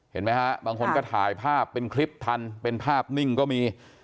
เห็นไหมฮะบางคนก็ถ่ายภาพเป็นคลิปทันเป็นภาพนิ่งก็มี